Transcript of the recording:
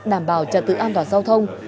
đảm bảo trật tự an toàn giao thông